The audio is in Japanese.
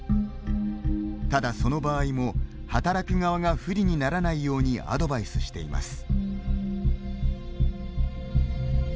ただその場合も働く側が不利にならないようにアドバイスしています。